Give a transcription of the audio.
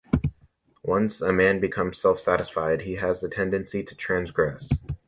Once man becomes self-satisfied, he has the tendency to transgress.